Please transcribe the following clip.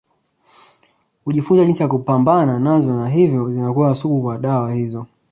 Hujifunza jinsi ya kupambana nazo na hivyo zinakuwa sugu kwa dawa hizo